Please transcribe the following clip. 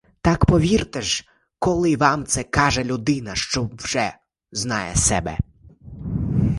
Так повірте ж ви, коли вам це каже людина, що вже знає себе.